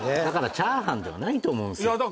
だからチャーハンではないと思うんすよ